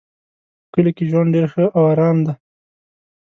په کلي کې ژوند ډېر ښه او آرام ده